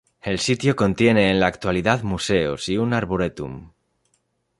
El sitio contiene en la actualidad museos y un arboretum.